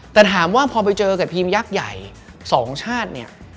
แต่ถามว่าพอไปเจอกับทีมยักษ์ใหญ่๒ชาติเนี่ย